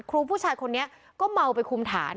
ครูผู้ชายคนนี้ก็เมาไปคุมฐาน